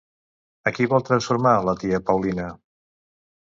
A qui vol transformar la tia Paulina?